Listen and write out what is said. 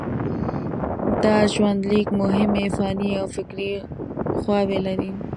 دا ژوندلیک مهمې فني او فکري خواوې لري.